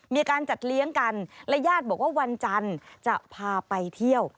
มีการจัดเลี้ยงกันและญาติบอกว่าวันจันทร์จะพาไปเที่ยว